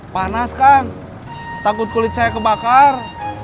panas kang takut kulit saya kebakar